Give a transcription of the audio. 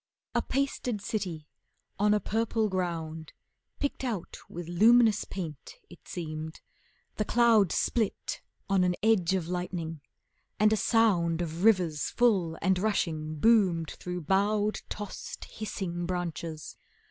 A pasted city on a purple ground, Picked out with luminous paint, it seemed. The cloud Split on an edge of lightning, and a sound Of rivers full and rushing boomed through bowed, Tossed, hissing branches.